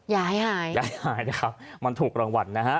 ยายหายยายหายนะครับมันถูกรางวัลนะฮะ